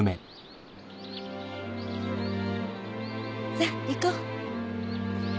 さあ行こう。